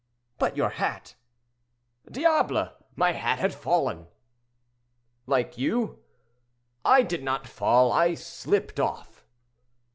"But your hat?" "Diable! my hat had fallen." "Like you." "I did not fall; I slipped off."